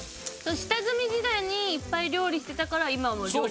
下積み時代にいっぱい料理してたから今も料理が上手？